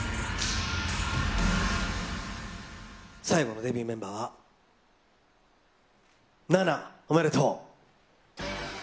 最後のデビューメンバーは、ナナ、おめでとう。